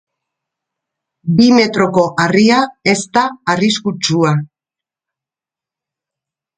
Bi metroko harria ez da arriskutsua.